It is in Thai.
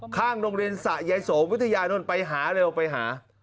ข้างโรงเรียนสะยายโสมวิทยานู่นไปหาเร็วไปหา